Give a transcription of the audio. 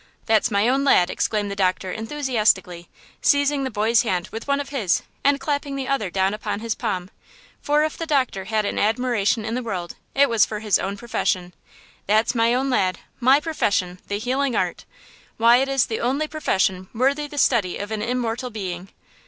"That's my own lad!" exclaimed the doctor, enthusiastically, seizing the boy's hand with one of his and clapping the other down upon his palm–for if the doctor had an admiration in the world it was for his own profession. "That's my own lad! My profession! the healing art! Why, it is the only profession worthy the study of an immortal being!